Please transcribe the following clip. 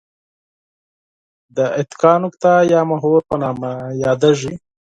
د اتکا نقطه یا محور په نامه یادیږي.